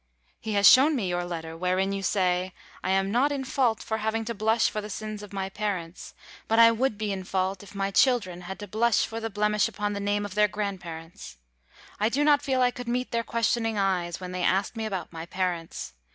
He has shown me your letter wherein you say, "I am not in fault for having to blush for the sins of my parents; but I would be in fault if my children had to blush for the blemish upon the name of their grandparents. I do not feel I could meet their questioning eyes when they asked me about my parents.